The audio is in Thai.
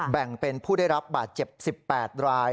แบ่งเป็นผู้ได้รับบาดเจ็บ๑๘ราย